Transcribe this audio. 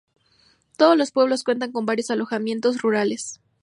Todos los pueblos cuentan con varios alojamientos rurales.